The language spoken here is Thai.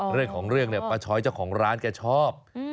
เรื่องของเรื่องเนี่ยป้าช้อยเจ้าของร้านแกชอบ